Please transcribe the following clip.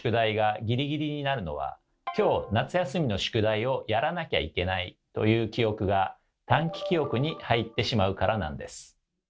「きょう夏休みの宿題をやらなきゃいけない」という記憶が短期記憶に入ってしまうからなんです。